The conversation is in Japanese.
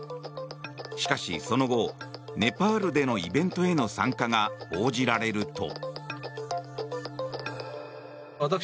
しかし、その後ネパールでのイベントへの参加が報じられると。